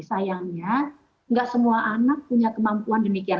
sayangnya nggak semua anak punya kemampuan demikian